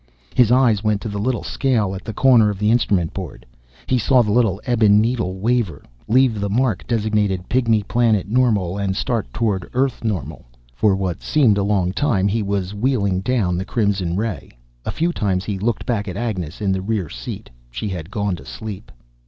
His eyes went to the little scale at the corner of the instrument board. He saw the little ebon needle waver, leave the mark designated "Pygmy Planet Normal" and start toward "Earth Normal." For what seemed a long time, he was wheeling down the crimson ray. A few times he looked back at Agnes, in the rear seat. She had gone to sleep.